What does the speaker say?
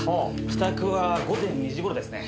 帰宅は午前２時頃ですね。